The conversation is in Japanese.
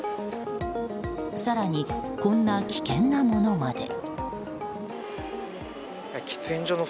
更に、こんな危険なものまで。